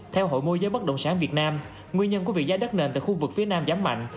theo hội mô giới bất động sản việt nam nguyên nhân của việc giá đất nền tại khu vực phía nam giảm mạnh